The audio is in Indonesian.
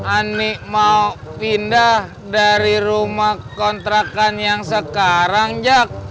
ani mau pindah dari rumah kontrakan yang sekarang jak